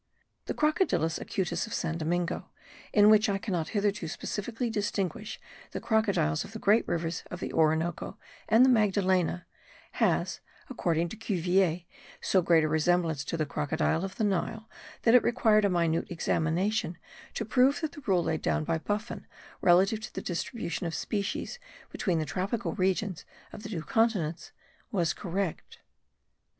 The Crocodilus acutus of San Domingo, in which I cannot hitherto specifically distinguish the crocodiles of the great rivers of the Orinoco and the Magdalena, has, according to Cuvier, so great a resemblance to the crocodile of the Nile,* that it required a minute examination to prove that the rule laid down by Buffon relative to the distribution of species between the tropical regions of the two continents was correct.